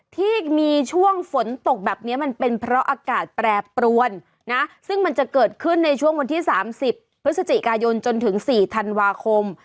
ที่มีช่วงฝนตกแบบนี้มันเป็นเพราะอากาศแปรปรวนนะซึ่งมันจะเกิดขึ้นในช่วงวันที่๓๐พฤศจิกายนจนถึง๔ธันวาคม